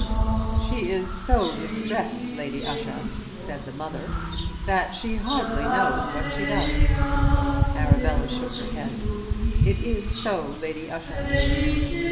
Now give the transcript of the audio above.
"She is so distressed, Lady Ushant," said the mother, "that she hardly knows what she does." Arabella shook her head. "It is so, Lady Ushant."